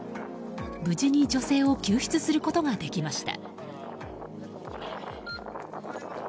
無事に女性を救出することができました。